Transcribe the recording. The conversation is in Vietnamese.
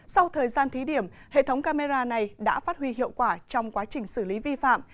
sau thời gian thí điểm hệ thống camera này đã phát huy hiệu quả trong quá trình xử lý vi phạm